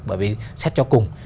bởi vì xét cho cùng